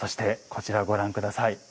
こちら、ご覧ください。